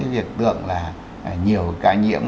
việc tượng là nhiều ca nhiễm